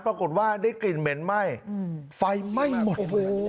ปรากฏว่าได้กลิ่นเหม็นไหม้ไฟไหม้หมด